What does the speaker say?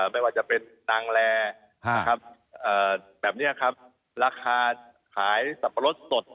ไม่ว่าจะเป็นนางแรแบบนี้ครับราคาขายสับปะรดสด